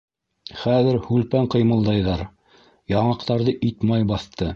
- Хәҙер һүлпән ҡыймылдайҙар, яңаҡтарҙы ит-май баҫты.